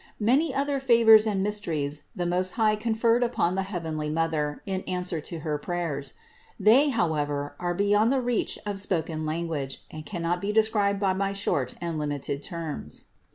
Many other favors and mysteries the Most High con firmed upon the heavenly Mother in answer to her pray ers. They, however, are beyond the reach of spoken language, and cannot be described by my short and limited terms.